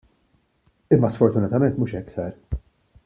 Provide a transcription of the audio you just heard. Imma sfortunatament mhux hekk sar.